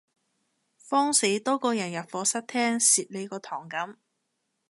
慌死多個人入課室聽蝕你嗰堂噉